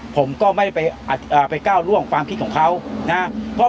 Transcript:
ผมก็ไม่ได้ไปก้าวล่วงความคิดของเขานะครับ